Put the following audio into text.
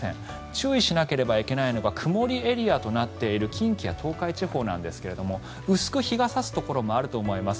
注意しなければならないのは曇りエリアとなっている近畿や東海地方なんですけれども薄く日が差すところもあると思います。